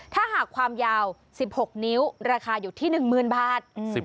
ถ้าหากความยาว๑๖นิ้วราคาอยู่ที่๑๐๐๐บาท